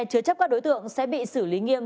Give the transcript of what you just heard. chứa chấp các đối tượng sẽ bị xử lý nghiêm